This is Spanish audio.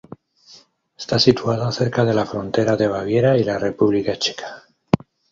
Está situada cerca de la frontera de Baviera y la República Checa.